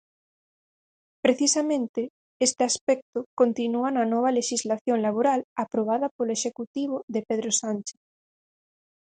Precisamente, este aspecto continúa na nova lexislación laboral aprobada polo Executivo de Pedro Sánchez.